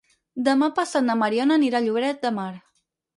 Demà passat na Mariona anirà a Lloret de Mar.